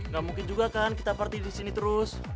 gak mungkin juga kan kita party disini terus